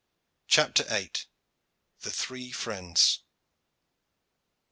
CHAPTER VIII. THE THREE FRIENDS.